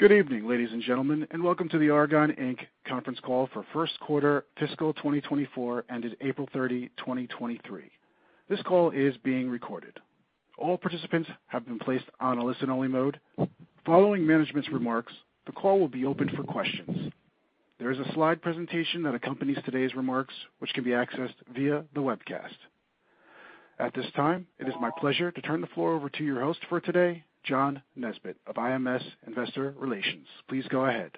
Good evening, ladies and gentlemen, welcome to the Argan Inc. conference call for first quarter fiscal 2024, ended April 30, 2023. This call is being recorded. All participants have been placed on a listen-only mode. Following management's remarks, the call will be opened for questions. There is a slide presentation that accompanies today's remarks, which can be accessed via the webcast. At this time, it is my pleasure to turn the floor over to your host for today, John Nesbett of IMS Investor Relations. Please go ahead.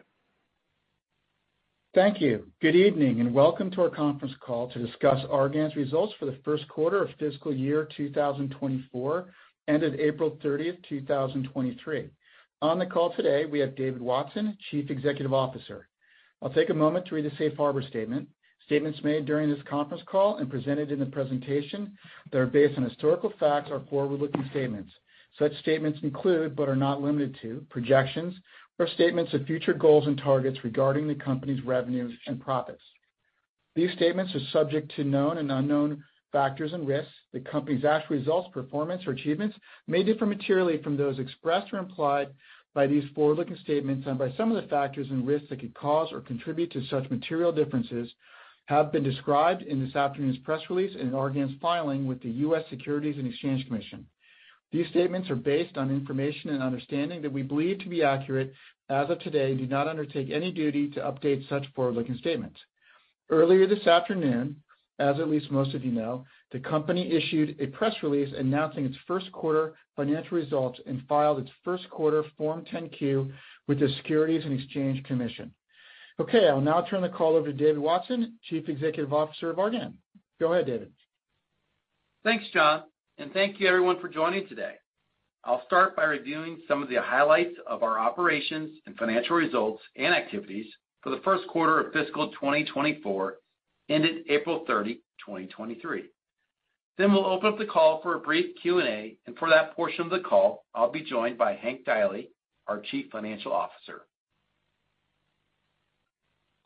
Thank you. Good evening, and welcome to our conference call to discuss Argan's results for the first quarter of fiscal year 2024, ended April 30th, 2023. On the call today, we have David Watson, Chief Executive Officer. I'll take a moment to read a safe harbor statement. Statements made during this conference call and presented in the presentation that are based on historical facts or forward-looking statements. Such statements include, but are not limited to, projections or statements of future goals and targets regarding the company's revenues and profits. These statements are subject to known and unknown factors and risks. The company's actual results, performance, or achievements may differ materially from those expressed or implied by these forward-looking statements, and by some of the factors and risks that could cause or contribute to such material differences have been described in this afternoon's press release and in Argan's filing with the U.S. Securities and Exchange Commission. These statements are based on information and understanding that we believe to be accurate as of today, and do not undertake any duty to update such forward-looking statements. Earlier this afternoon, as at least most of you know, the company issued a press release announcing its first quarter financial results and filed its first quarter Form 10-Q with the Securities and Exchange Commission. Okay, I'll now turn the call over to David Watson, Chief Executive Officer of Argan. Go ahead, David. Thanks, John. Thank you everyone for joining today. I'll start by reviewing some of the highlights of our operations and financial results and activities for the first quarter of fiscal 2024, ended April 30, 2023. We'll open up the call for a brief Q&A. For that portion of the call, I'll be joined by Hank Deily, our Chief Financial Officer.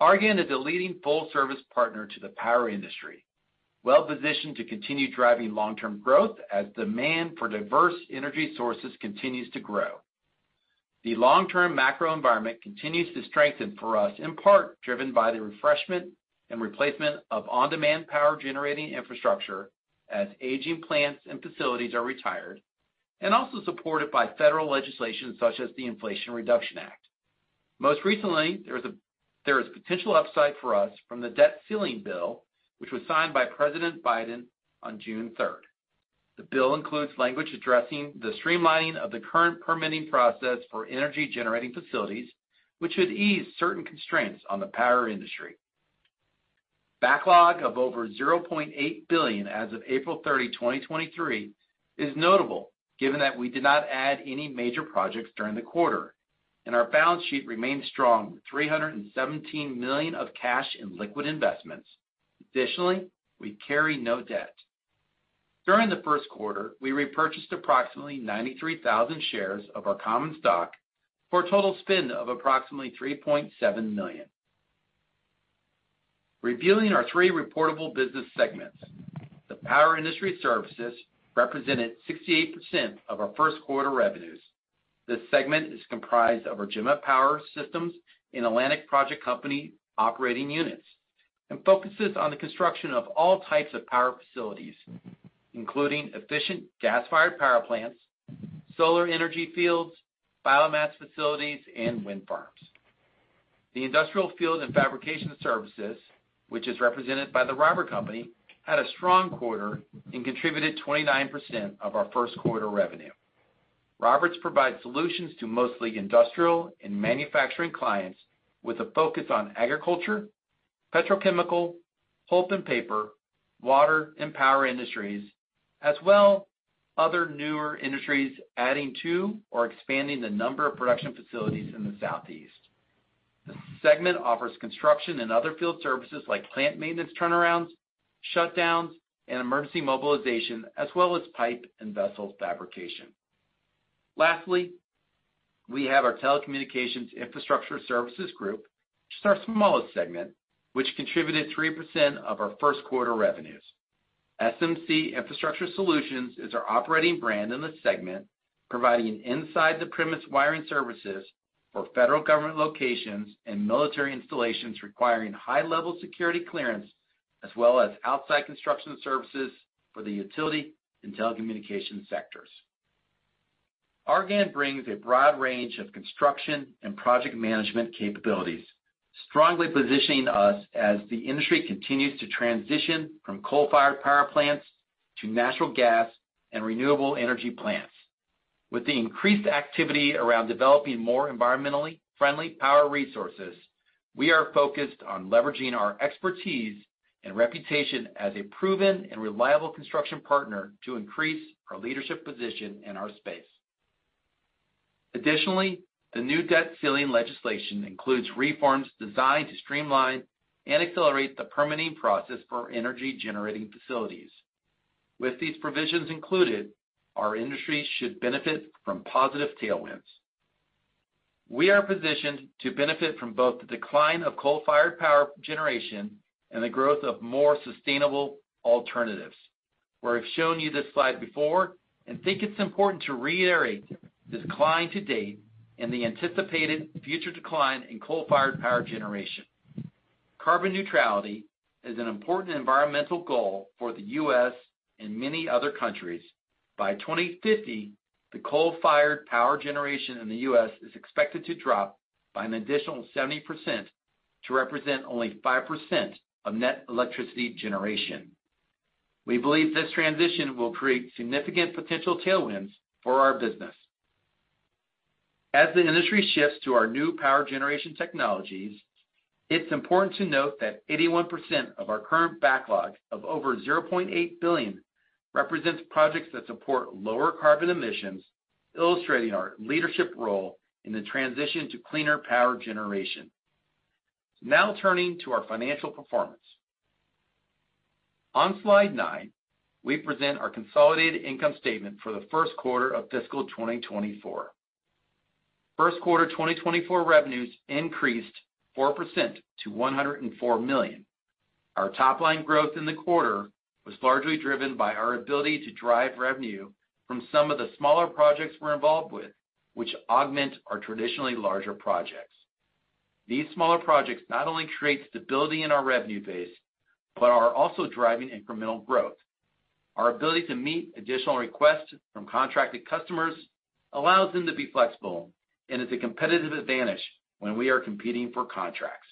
Argan is a leading full-service partner to the power industry, well-positioned to continue driving long-term growth as demand for diverse energy sources continues to grow. The long-term macro environment continues to strengthen for us, in part driven by the refreshment and replacement of on-demand power generating infrastructure as aging plants and facilities are retired, and also supported by federal legislation such as the Inflation Reduction Act. Most recently, there is potential upside for us from the debt ceiling bill, which was signed by President Biden on June third. The bill includes language addressing the streamlining of the current permitting process for energy-generating facilities, which would ease certain constraints on the power industry. Backlog of over $0.8 billion as of April 30, 2023, is notable, given that we did not add any major projects during the quarter. Our balance sheet remains strong, with $317 million of cash in liquid investments. Additionally, we carry no debt. During the first quarter, we repurchased approximately 93,000 shares of our common stock for a total spend of approximately $3.7 million. Reviewing our three reportable business segments. The power industry services represented 68% of our first quarter revenues. This segment is comprised of our Gemma Power Systems and Atlantic Projects Company operating units, and focuses on the construction of all types of power facilities, including efficient gas-fired power plants, solar energy fields, biomass facilities, and wind farms. The industrial field and fabrication services, which is represented by The Roberts Company, had a strong quarter and contributed 29% of our first quarter revenue. Roberts provides solutions to mostly industrial and manufacturing clients, with a focus on agriculture, petrochemical, pulp and paper, water and power industries, as well other newer industries adding to or expanding the number of production facilities in the Southeast. This segment offers construction and other field services like plant maintenance, turnarounds, shutdowns, and emergency mobilization, as well as pipe and vessel fabrication. Lastly, we have our telecommunications infrastructure services group, which is our smallest segment, which contributed 3% of our first quarter revenues. SMC Infrastructure Solutions is our operating brand in this segment, providing inside the premise wiring services for federal government locations and military installations requiring high-level security clearance, as well as outside construction services for the utility and telecommunication sectors. Argan brings a broad range of construction and project management capabilities, strongly positioning us as the industry continues to transition from coal-fired power plants to natural gas and renewable energy plants. With the increased activity around developing more environmentally friendly power resources, we are focused on leveraging our expertise and reputation as a proven and reliable construction partner to increase our leadership position in our space. Additionally, the new debt ceiling legislation includes reforms designed to streamline and accelerate the permitting process for energy-generating facilities. With these provisions included, our industry should benefit from positive tailwinds. We are positioned to benefit from both the decline of coal-fired power generation and the growth of more sustainable alternatives. Where I've shown you this slide before, and think it's important to reiterate the decline to date and the anticipated future decline in coal-fired power generation. Carbon neutrality is an important environmental goal for the U.S. and many other countries. By 2050, the coal-fired power generation in the U.S. is expected to drop by an additional 70% to represent only 5% of net electricity generation. We believe this transition will create significant potential tailwinds for our business. As the industry shifts to our new power generation technologies, it's important to note that 81% of our current backlog of over $0.8 billion represents projects that support lower carbon emissions, illustrating our leadership role in the transition to cleaner power generation. Now turning to our financial performance. On slide nine, we present our consolidated income statement for the first quarter of fiscal 2024. First quarter 2024 revenues increased 4% to $104 million. Our top line growth in the quarter was largely driven by our ability to drive revenue from some of the smaller projects we're involved with, which augment our traditionally larger projects. These smaller projects not only create stability in our revenue base, are also driving incremental growth. Our ability to meet additional requests from contracted customers allows them to be flexible and is a competitive advantage when we are competing for contracts.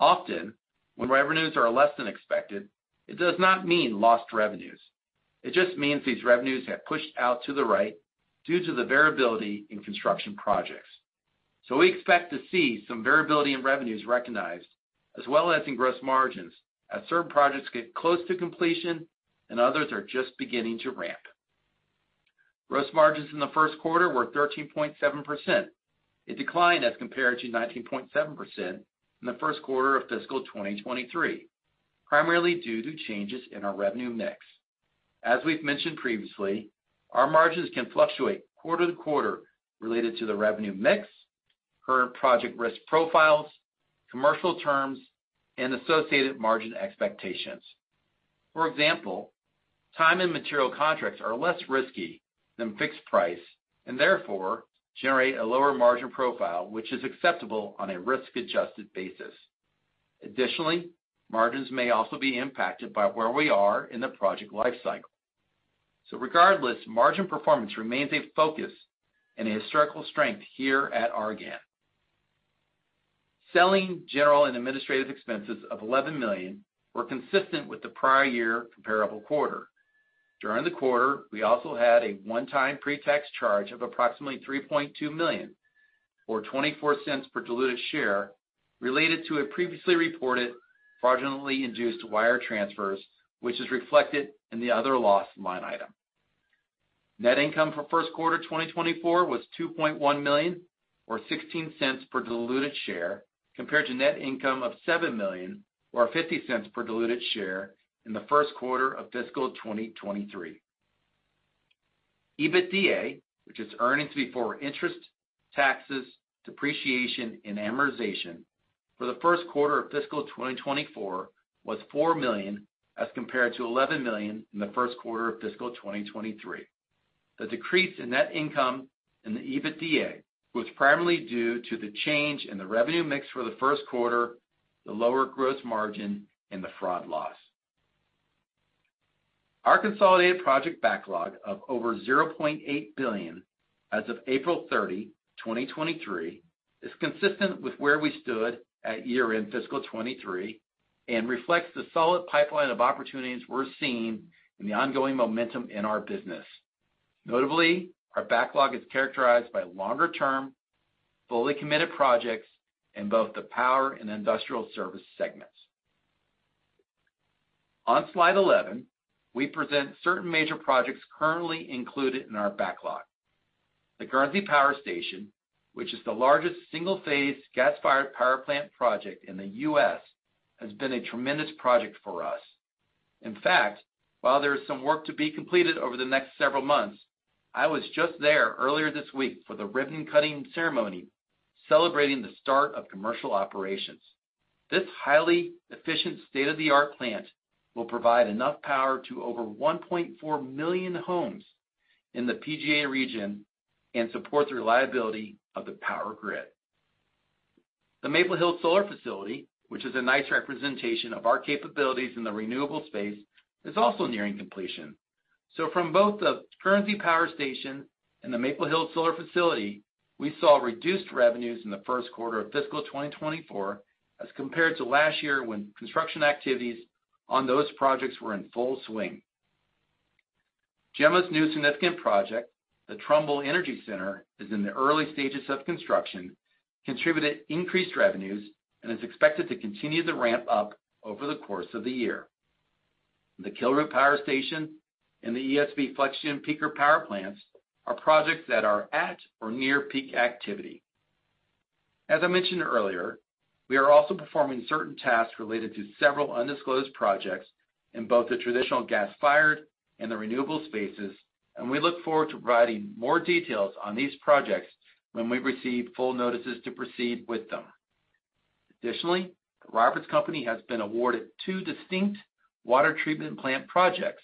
Often, when revenues are less than expected, it does not mean lost revenues. It just means these revenues get pushed out to the right due to the variability in construction projects. We expect to see some variability in revenues recognized, as well as in gross margins, as certain projects get close to completion and others are just beginning to ramp. Gross margins in the first quarter were 13.7%. It declined as compared to 19.7% in the first quarter of fiscal 2023, primarily due to changes in our revenue mix. As we've mentioned previously, our margins can fluctuate quarter to quarter related to the revenue mix, current project risk profiles, commercial terms, and associated margin expectations. For example, time and material contracts are less risky than fixed price, and therefore generate a lower margin profile, which is acceptable on a risk-adjusted basis. Additionally, margins may also be impacted by where we are in the project life cycle. Regardless, margin performance remains a focus and a historical strength here at Argan. Selling general and administrative expenses of $11 million were consistent with the prior-year comparable quarter. During the quarter, we also had a one-time pre-tax charge of approximately $3.2 million, or 0.24 per diluted share, related to a previously reported fraudulently induced wire transfers, which is reflected in the other loss line item. Net income for first quarter 2024 was $2.1 million, or 0.16 per diluted share, compared to net income of $7 million, or 0.50 per diluted share, in the first quarter of fiscal 2023. EBITDA, which is earnings before interest, taxes, depreciation, and amortization, for the first quarter of fiscal 2024 was $4 million, as compared to 11 million in the first quarter of fiscal 2023. The decrease in net income and the EBITDA was primarily due to the change in the revenue mix for the first quarter, the lower gross margin, and the fraud loss. Our consolidated project backlog of over $0.8 billion as of April 30, 2023, is consistent with where we stood at year-end fiscal 2023 and reflects the solid pipeline of opportunities we're seeing in the ongoing momentum in our business. Notably, our backlog is characterized by longer-term, fully committed projects in both the power and industrial service segments. On slide 11, we present certain major projects currently included in our backlog. The Guernsey Power Station, which is the largest single-phase gas-fired power plant project in the U.S., has been a tremendous project for us. In fact, while there is some work to be completed over the next several months, I was just there earlier this week for the ribbon-cutting ceremony, celebrating the start of commercial operations. This highly efficient, state-of-the-art plant will provide enough power to over 1.4 million homes in the PJM region and support the reliability of the power grid. The Maple Hill Solar Facility, which is a nice representation of our capabilities in the renewable space, is also nearing completion. From both the Guernsey Power Station and the Maple Hill Solar Facility, we saw reduced revenues in the first quarter of fiscal 2024 as compared to last year, when construction activities on those projects were in full swing. Gemma's new significant project, the Trumbull Energy Center, is in the early stages of construction, contributed increased revenues, and is expected to continue to ramp up over the course of the year. The Kilroot Power Station and the ESB FlexGen Peaker Power Plants are projects that are at or near peak activity. As I mentioned earlier, we are also performing certain tasks related to several undisclosed projects in both the traditional gas-fired and the renewable spaces. We look forward to providing more details on these projects when we receive full notices to proceed with them. Additionally, The Roberts Company has been awarded two distinct water treatment plant projects,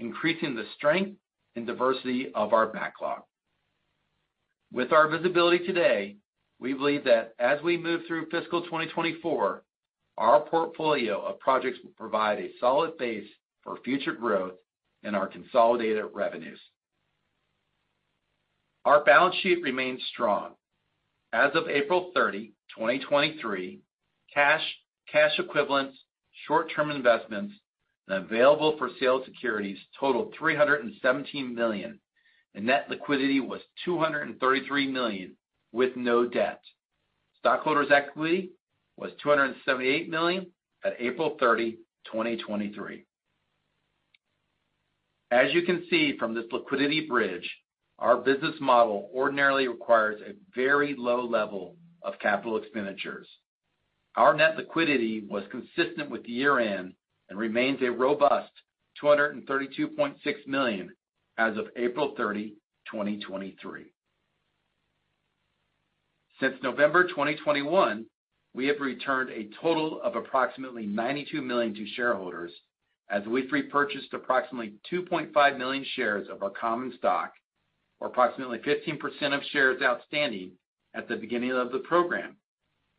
increasing the strength and diversity of our backlog. With our visibility today, we believe that as we move through fiscal 2024, our portfolio of projects will provide a solid base for future growth in our consolidated revenues. Our balance sheet remains strong. As of April 30, 2023, cash equivalents, short-term investments, and available-for-sale securities totaled $317 million, and net liquidity was $233 million with no debt. Stockholders' equity was $278 million at April 30, 2023. As you can see from this liquidity bridge, our business model ordinarily requires a very low level of capital expenditures. Our net liquidity was consistent with year-end and remains a robust $232.6 million as of April 30, 2023. Since November 2021, we have returned a total of approximately $92 million to shareholders, as we've repurchased approximately 2.5 million shares of our common stock, or approximately 15% of shares outstanding at the beginning of the program,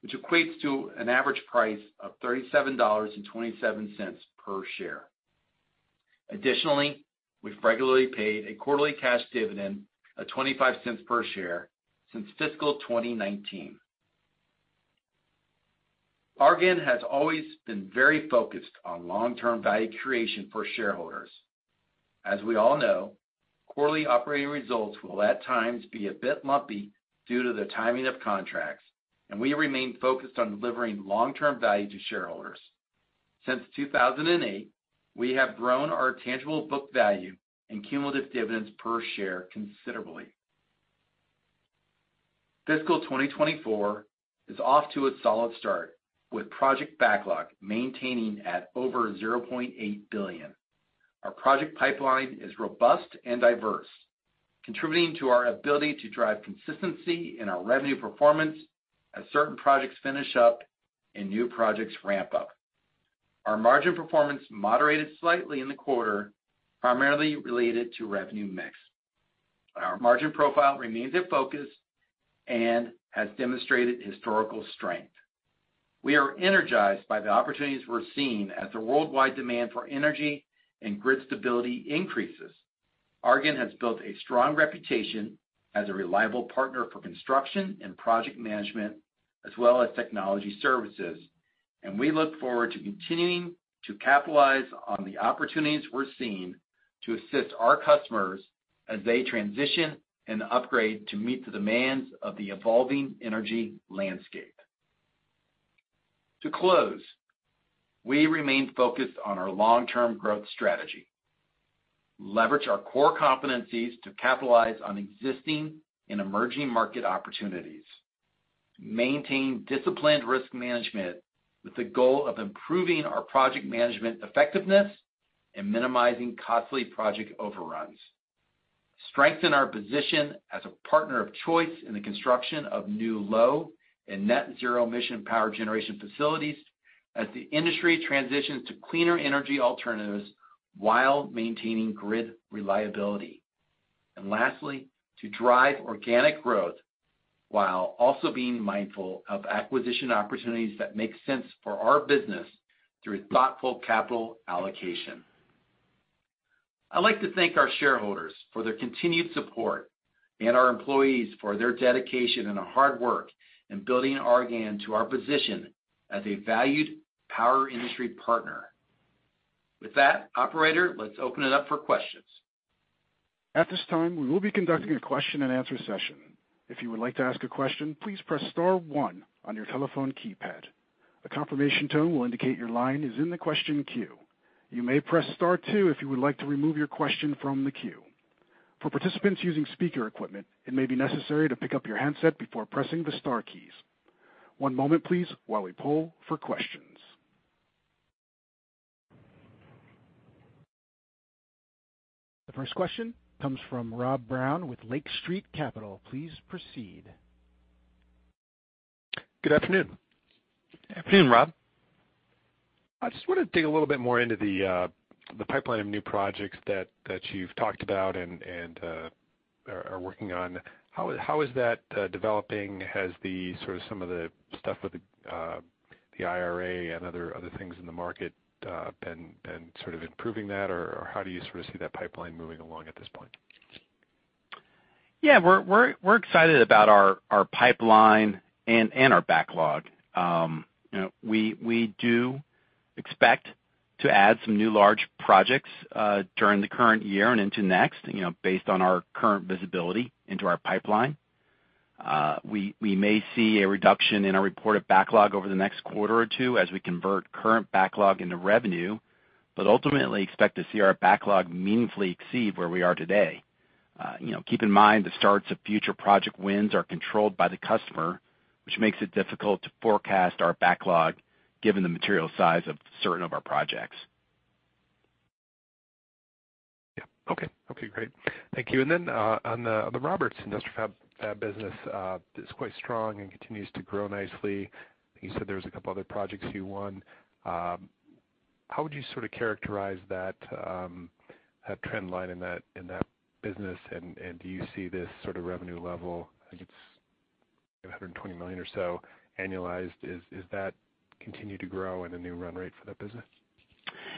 which equates to an average price of $37.27 per share. Additionally, we've regularly paid a quarterly cash dividend of $0.25 per share since fiscal 2019. Argan has always been very focused on long-term value creation for shareholders. As we all know, quarterly operating results will at times be a bit lumpy due to the timing of contracts, and we remain focused on delivering long-term value to shareholders. Since 2008, we have grown our tangible book value and cumulative dividends per share considerably. Fiscal 2024 is off to a solid start, with project backlog maintaining at over $0.8 billion. Our project pipeline is robust and diverse, contributing to our ability to drive consistency in our revenue performance as certain projects finish up and new projects ramp up. Our margin performance moderated slightly in the quarter, primarily related to revenue mix. Our margin profile remains a focus and has demonstrated historical strength. We are energized by the opportunities we're seeing as the worldwide demand for energy and grid stability increases. Argan has built a strong reputation as a reliable partner for construction and project management, as well as technology services. We look forward to continuing to capitalize on the opportunities we're seeing to assist our customers as they transition and upgrade to meet the demands of the evolving energy landscape. To close, we remain focused on our long-term growth strategy: leverage our core competencies to capitalize on existing and emerging market opportunities, maintain disciplined risk management with the goal of improving our project management effectiveness and minimizing costly project overruns, strengthen our position as a partner of choice in the construction of new low- and net-zero emission power generation facilities as the industry transitions to cleaner energy alternatives while maintaining grid reliability, and lastly, to drive organic growth while also being mindful of acquisition opportunities that make sense for our business through thoughtful capital allocation. I'd like to thank our shareholders for their continued support and our employees for their dedication and hard work in building Argan to our position as a valued power industry partner. With that, operator, let's open it up for questions. At this time, we will be conducting a question-and-answer session. If you would like to ask a question, please press star one on your telephone keypad. A confirmation tone will indicate your line is in the question queue. You may press star two if you would like to remove your question from the queue. For participants using speaker equipment, it may be necessary to pick up your handset before pressing the star keys. One moment, please, while we poll for questions. The first question comes from Rob Brown with Lake Street Capital. Please proceed. Good afternoon. Afternoon, Rob. I just want to dig a little bit more into the pipeline of new projects that you've talked about and are working on. How is that developing? Has the sort of some of the stuff with the IRA and other things in the market been sort of improving that? How do you sort of see that pipeline moving along at this point? Yeah, we're excited about our pipeline and our backlog. You know, we do expect to add some new large projects during the current year and into next, you know, based on our current visibility into our pipeline. We may see a reduction in our reported backlog over the next quarter or two as we convert current backlog into revenue, but ultimately expect to see our backlog meaningfully exceed where we are today. You know, keep in mind, the starts of future project wins are controlled by the customer, which makes it difficult to forecast our backlog, given the material size of certain of our projects. Okay, great. Thank you. On the Roberts industrial fab business is quite strong and continues to grow nicely. You said there was a couple other projects you won. How would you sort of characterize that trend line in that business? Do you see this sort of revenue level, I think it's $120 million or so annualized, is that continue to grow in a new run rate for that business?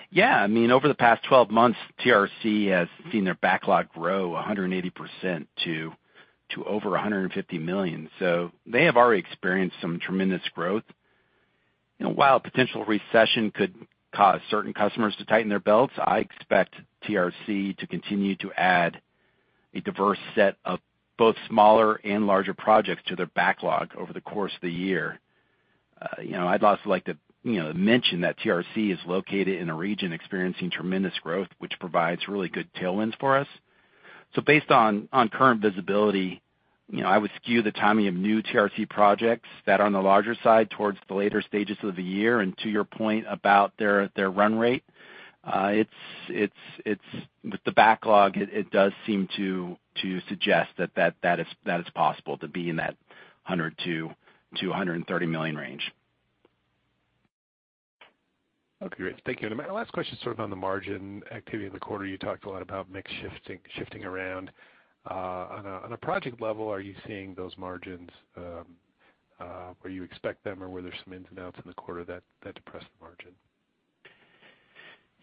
Yeah. I mean, over the past 12 months, TRC has seen their backlog grow 180% to over $150 million. They have already experienced some tremendous growth. You know, while potential recession could cause certain customers to tighten their belts, I expect TRC to continue to add a diverse set of both smaller and larger projects to their backlog over the course of the year. You know, I'd also like to, you know, mention that TRC is located in a region experiencing tremendous growth, which provides really good tailwinds for us. Based on current visibility, you know, I would skew the timing of new TRC projects that are on the larger side towards the later stages of the year. To your point about their run rate, it's with the backlog, it does seem to suggest that is possible to be in that $100 million-130 million range. Okay, great. Thank you. My last question, sort of on the margin activity in the quarter, you talked a lot about mix shifting around. On a project level, are you seeing those margins where you expect them, or were there some ins and outs in the quarter that depressed the margin?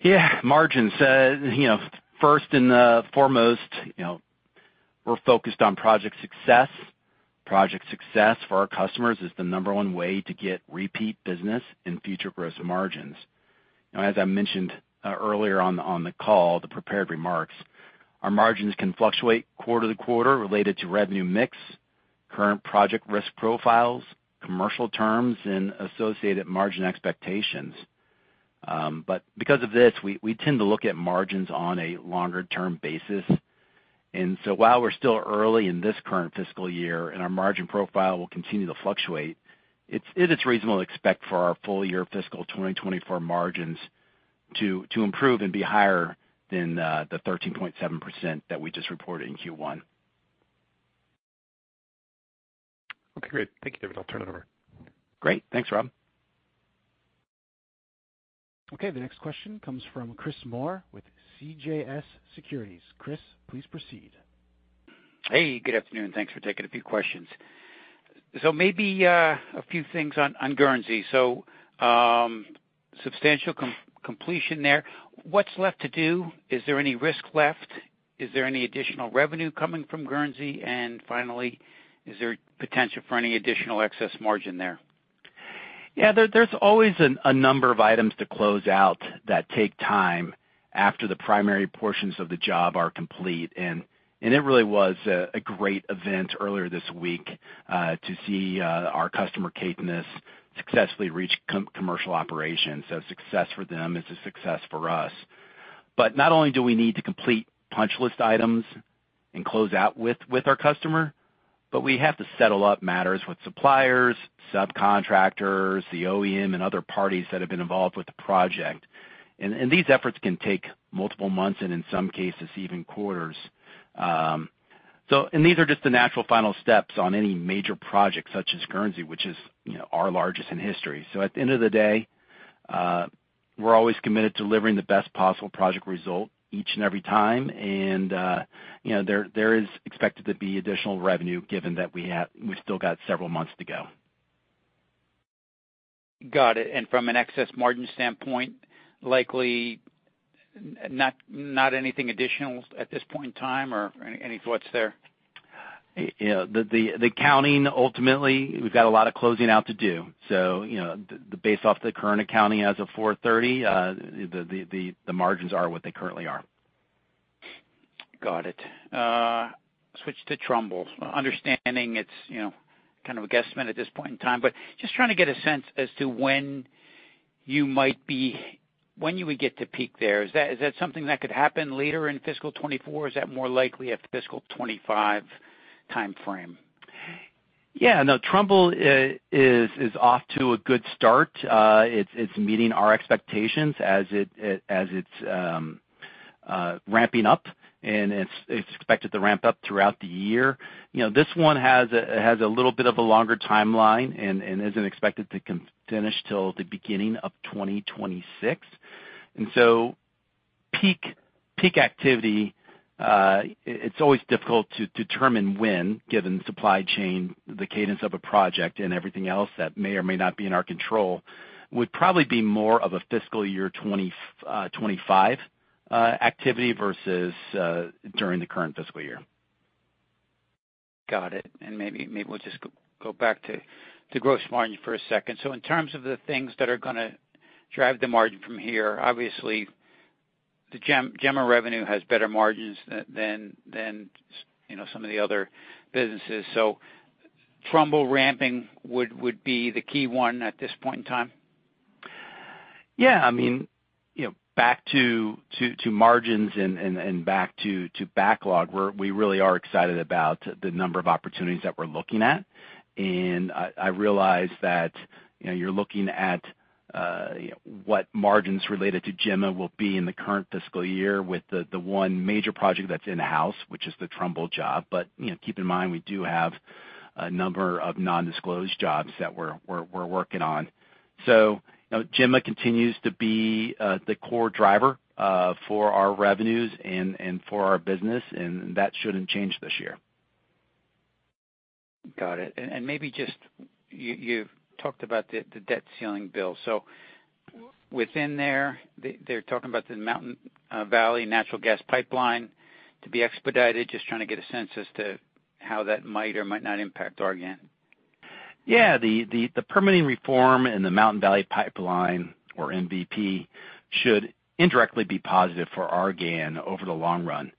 Yeah. Margins. You know, first and foremost, you know, we're focused on project success. Project success for our customers is the number one way to get repeat business and future gross margins. As I mentioned earlier on the call, the prepared remarks, our margins can fluctuate quarter-to-quarter related to revenue mix, current project risk profiles, commercial terms, and associated margin expectations. Because of this, we tend to look at margins on a longer term basis. While we're still early in this current fiscal year, and our margin profile will continue to fluctuate, it is reasonable to expect for our full year fiscal 2024 margins to improve and be higher than the 13.7% that we just reported in Q1. Okay, great. Thank you, David. I'll turn it over. Great. Thanks, Rob. The next question comes from Chris Moore with CJS Securities. Chris, please proceed. Hey, good afternoon. Thanks for taking a few questions. Maybe a few things on Guernsey. Substantial completion there. What's left to do? Is there any risk left? Is there any additional revenue coming from Guernsey? Finally, is there potential for any additional excess margin there? Yeah, there's always a number of items to close out that take time after the primary portions of the job are complete. It really was a great event earlier this week to see our customer, Caithness, successfully reach commercial operations. Success for them is a success for us. Not only do we need to complete punch list items and close out with our customer, but we have to settle up matters with suppliers, subcontractors, the OEM, and other parties that have been involved with the project. These efforts can take multiple months, and in some cases, even quarters. These are just the natural final steps on any major project, such as Guernsey, which is, you know, our largest in history. At the end of the day, we're always committed to delivering the best possible project result each and every time. You know, there is expected to be additional revenue given that we've still got several months to go. Got it. From an excess margin standpoint, likely not anything additional at this point in time, or any thoughts there? You know, the accounting, ultimately, we've got a lot of closing out to do. You know, the base off the current accounting as of 4/30, the margins are what they currently are. Got it. switch to Trumbull. Understanding it's, you know, kind of a guesstimate at this point in time, but just trying to get a sense as to when you would get to peak there. Is that something that could happen later in fiscal 2024, or is that more likely a fiscal 2025 timeframe? Yeah, no, Trumbull is off to a good start. It's meeting our expectations as it's ramping up, and it's expected to ramp up throughout the year. You know, this one has a little bit of a longer timeline and isn't expected to finish till the beginning of 2026. Peak activity, it's always difficult to determine when, given supply chain, the cadence of a project and everything else that may or may not be in our control, would probably be more of a fiscal year 2025 activity versus during the current fiscal year. Got it. Maybe we'll just go back to gross margin for a second. In terms of the things that are gonna drive the margin from here, obviously the Gemma revenue has better margins than, you know, some of the other businesses. Trumbull ramping would be the key one at this point in time? Yeah, I mean, you know, back to margins and back to backlog, we really are excited about the number of opportunities that we're looking at. I realize that, you know, you're looking at what margins related to Gemma will be in the current fiscal year with the one major project that's in the house, which is the Trumbull job. You know, keep in mind, we do have a number of non-disclosed jobs that we're working on. You know, Gemma continues to be the core driver for our revenues and for our business, and that shouldn't change this year. Got it. Maybe just, you've talked about the debt ceiling bill. Within there, they're talking about the Mountain Valley Natural Gas Pipeline to be expedited. Just trying to get a sense as to how that might or might not impact Argan. Yeah, the permitting reform and the Mountain Valley Pipeline, or MVP, should indirectly be positive for Argan over the long run.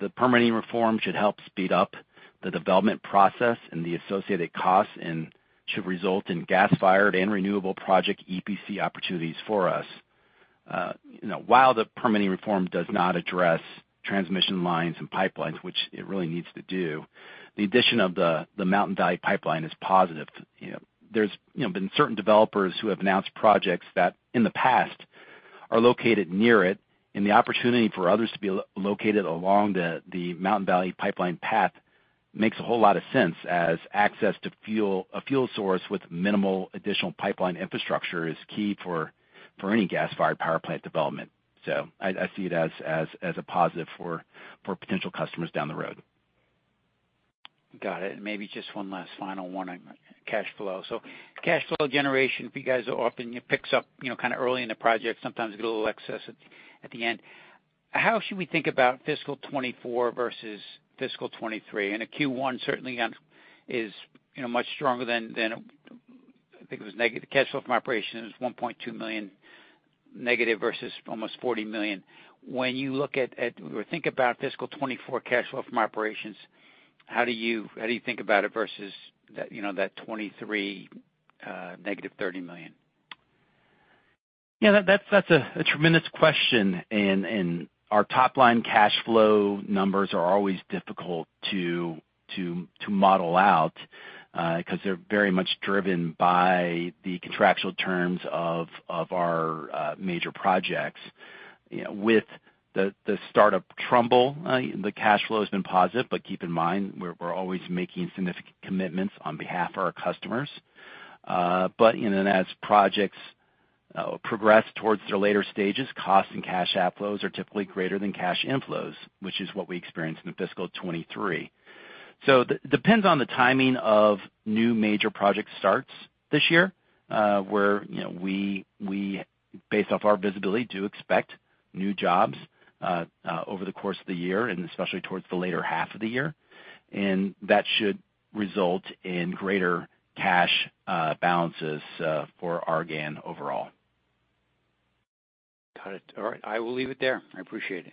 The permitting reform should help speed up the development process and the associated costs and should result in gas-fired and renewable project EPC opportunities for us. You know, while the permitting reform does not address transmission lines and pipelines, which it really needs to do, the addition of the Mountain Valley Pipeline is positive. You know, there's, you know, been certain developers who have announced projects that, in the past, are located near it, and the opportunity for others to be located along the Mountain Valley Pipeline path makes a whole lot of sense, as access to a fuel source with minimal additional pipeline infrastructure is key for any gas-fired power plant development. I see it as, as a positive for potential customers down the road. Got it. Maybe just one last final one on cash flow. Cash flow generation, for you guys, often it picks up, you know, kind of early in the project, sometimes a little excess at the end. How should we think about fiscal 2024 versus fiscal 2023? A Q1 certainly is, you know, much stronger than I think it was negative. The cash flow from operations is $1.2 million negative versus almost $40 million. When you look at or think about fiscal 2024 cash flow from operations, how do you think about it versus that, you know, that 2023 negative $30 million? Yeah, that's a tremendous question, and our top-line cash flow numbers are always difficult to model out, 'cause they're very much driven by the contractual terms of our major projects. You know, with the start of Trumbull, the cash flow has been positive, but keep in mind, we're always making significant commitments on behalf of our customers. But, you know, as projects progress towards their later stages, costs and cash outflows are typically greater than cash inflows, which is what we experienced in the fiscal 2023. Depends on the timing of new major project starts this year, where, you know, we, based off our visibility, do expect new jobs over the course of the year, and especially towards the later half of the year, and that should result in greater cash balances for Argan overall. Got it. All right, I will leave it there. I appreciate it.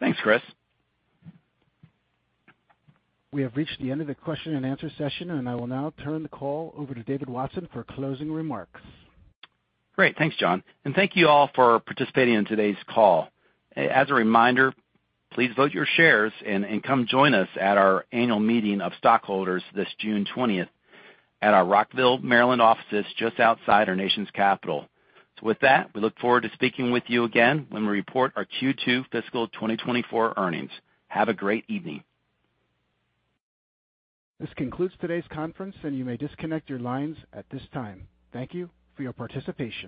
Thanks, Chris. We have reached the end of the question and answer session. I will now turn the call over to David Watson for closing remarks. Great. Thanks, John. Thank you all for participating in today's call. As a reminder, please vote your shares and come join us at our annual meeting of stockholders this June 20th at our Rockville, Maryland offices, just outside our nation's capital. With that, we look forward to speaking with you again when we report our Q2 fiscal 2024 earnings. Have a great evening. This concludes today's conference. You may disconnect your lines at this time. Thank you for your participation.